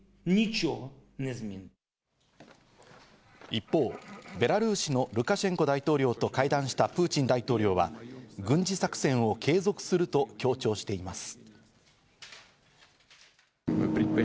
一方、ベラルーシのルカシェンコ大統領と会談したプーチン大統領は、軍事作戦を継続すると強調しています。